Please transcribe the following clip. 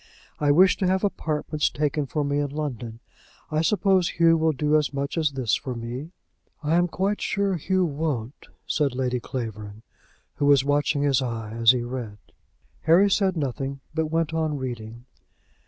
I wish to have apartments taken for me in London. I suppose Hugh will do as much as this for me?" "I am quite sure Hugh won't," said Lady Clavering, who was watching his eye as he read. Harry said nothing, but went on reading.